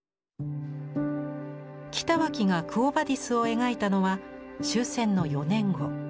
北脇が「クォ・ヴァディス」を描いたのは終戦の４年後。